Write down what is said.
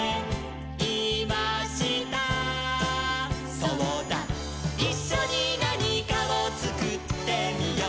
「そうだいっしょになにかをつくってみよう」